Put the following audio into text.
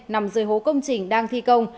nằm dưới hố công trình đang thi công